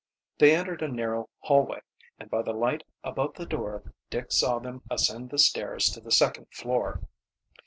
They entered a narrow hallway, and by the light above the door Dick saw them ascend the stairs to the second floor.